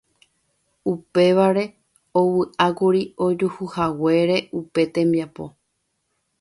Upévare ovy'ákuri ojuhuhaguére upe tembiapo.